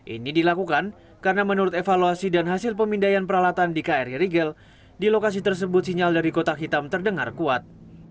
ini dilakukan karena menurut evaluasi dan hasil pemindaian peralatan di kri rigel di lokasi tersebut sinyal dari kotak hitam terdengar kuat